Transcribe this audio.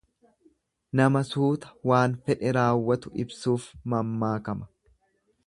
Nama suuta waan fedhe raawwatu ibsuuf mammaakama.